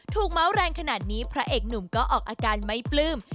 เมาส์แรงขนาดนี้พระเอกหนุ่มก็ออกอาการไม่ปลื้ม